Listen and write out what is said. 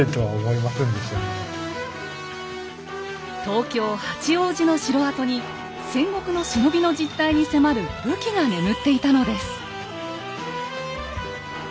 東京・八王子の城跡に戦国の忍びの実態に迫る武器が眠っていたのです。